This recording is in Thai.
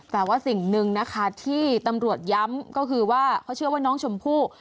แต่ว่าสิ่งหนึ่งนะคะที่ตำรวจย้ำก็คือว่าเขาเชื่อว่าน้องชมพู่